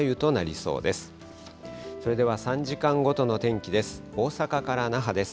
それでは３時間ごとの天気です。